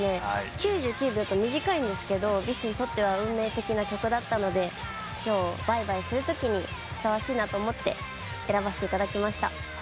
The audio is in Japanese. ９９秒と短いんですけどＢｉＳＨにとっては運命的な曲だったので今日バイバイするときにふさわしいなと思って選ばせていただきました。